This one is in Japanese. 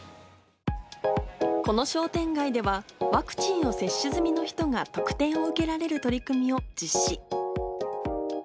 この商店街では、ワクチンを接種済みの人が特典を受けられる取り組みを実施。